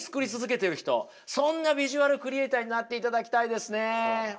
そんなビジュアルクリエイターになっていただきたいですね。